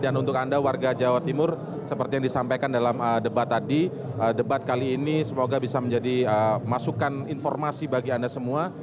dan untuk anda warga jawa timur seperti yang disampaikan dalam debat tadi debat kali ini semoga bisa menjadi masukan informasi bagi anda semua